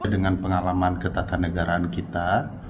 dengan pengalaman ketatan negaraan kita